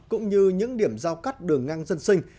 cũng như những điểm giao cắt đường ngang dân sinh